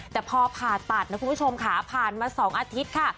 แต่พอผ่าตัดนะคุณผู้ชมค่ะผ่านมา๒อาทิตย์ค่ะ